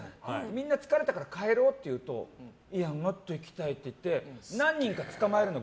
みんな疲れたから帰ろうって言うともっと行きたいって何人かつかまえるの。